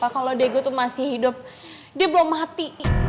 kalau diego itu masih hidup dia belum mati